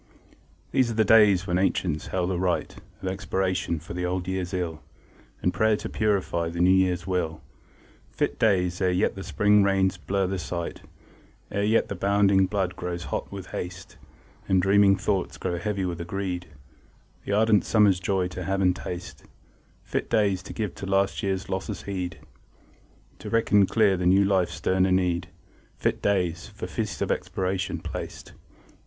These are the days when ancients held a rite Of expiation for the old year's ill, And prayer to purify the new year's will; Fit days, ere yet the spring rains blur the sight, Ere yet the bounding blood grows hot with haste, And dreaming thoughts grow heavy with a greed The ardent summer's joy to have and taste; Fit days, to give to last year's losses heed, To reckon clear the new life's sterner need; Fit days, for Feast of Expiation placed!